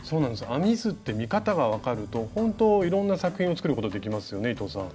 編み図って見方が分かるとほんといろんな作品を作ることができますよね伊藤さん。